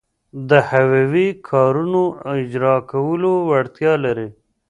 د حیوي کارونو د اجراکولو وړتیا لري.